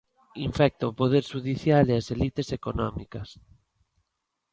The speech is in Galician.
Infecta o poder xudicial e as elites económicas.